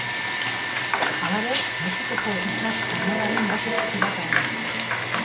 Halaber, Mexikoko itsas armadaren base txiki bat dago.